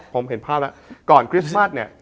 ผมเห็นภาพแล้วก่อนคริสต์มัสเนี่ย